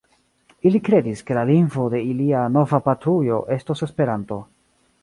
Ili kredis, ke la lingvo de ilia nova patrujo estos Esperanto.